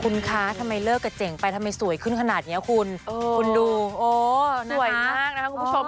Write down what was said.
คุณคะทำไมเลิกกับเจ๋งไปทำไมสวยขึ้นขนาดนี้คุณคุณดูโอ้สวยมากนะคะคุณผู้ชม